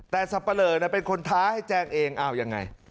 แต่ทรัพย์เป็นคนท้าให้แจ้งเองเอ้ายังไง